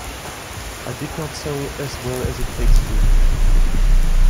It did not sell as well as It Takes Two.